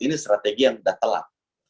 ini strategi yang sudah telat